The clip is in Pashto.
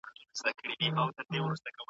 نظم د ټولنپوهنې مهمه موضوع ده.